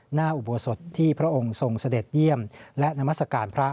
หน้าอุบัวสดที่พระองค์ทรงเสด็จเยี่ยมและนามัสการพระ